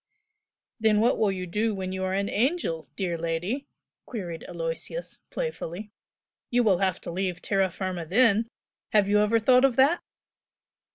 "Then what will you do when you are an angel, dear lady?" queried Aloysius, playfully "You will have to leave terra firma then! Have you ever thought of that?"